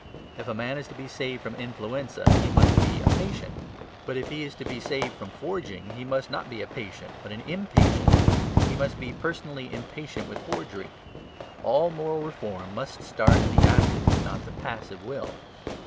If a man is to be saved from influenza, he may be a patient. But if he is to be saved from forging, he must be not a patient but an IMPATIENT. He must be personally impatient with forgery. All moral reform must start in the active not the passive will.